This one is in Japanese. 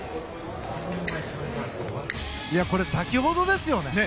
これ、先ほどですよね。